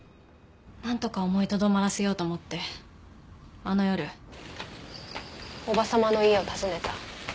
なんとか思いとどまらせようと思ってあの夜叔母様の家を訪ねた。